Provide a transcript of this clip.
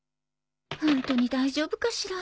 ホントに大丈夫かしら。